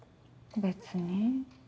別に。